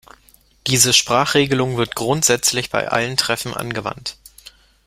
Diese Sprachregelung wird grundsätzlich bei allen Treffen angewandt.